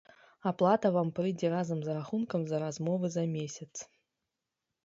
Аплата вам прыйдзе разам з рахункам за размовы за месяц.